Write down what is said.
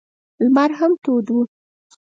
لمر هم تود و.